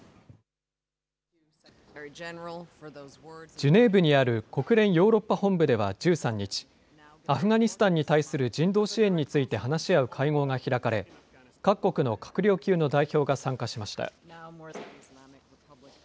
ジュネーブにある国連ヨーロッパ本部では１３日、アフガニスタンに対する人道支援について、話し合う会合が開かれ、各国の閣僚級の代表が参加しました。